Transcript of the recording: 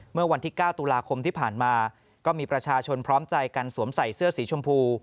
เมื่อวันที่๙ตุลาคมที่ผ่านมาก็มีประชาชนพร้อมใจกันสวมใส่เสื้อสีชมพู